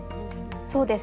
そうですね。